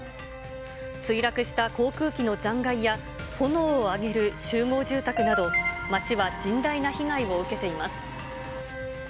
墜落した航空機の残骸や、炎を上げる集合住宅など、街は甚大な被害を受けています。